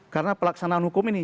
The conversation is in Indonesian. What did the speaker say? karena pelaksanaan hukum ini